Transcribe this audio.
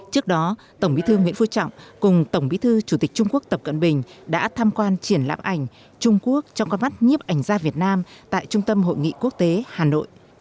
trước đó tổng bí thư nguyễn phu trọng cùng tổng bí thư chủ tịch trung quốc tập cận bình đã tham quan triển lãm ảnh trung quốc trong con mắt nhấp ảnh gia việt nam tại trung tâm hội nghị quốc tế hà nội